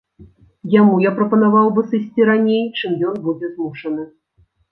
Яму я прапанаваў бы сысці раней, чым ён будзе змушаны.